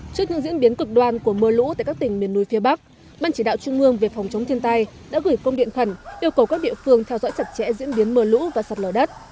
trước những diễn biến cực đoan của mưa lũ tại các tỉnh miền núi phía bắc ban chỉ đạo trung ương về phòng chống thiên tai đã gửi công điện khẩn yêu cầu các địa phương theo dõi chặt chẽ diễn biến mưa lũ và sạt lở đất